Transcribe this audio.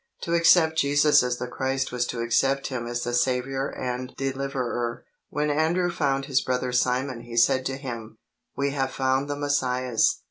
To accept Jesus as the Christ was to accept Him as the Saviour and Deliverer. When Andrew found his brother Simon he said to him, "We have found the Messias."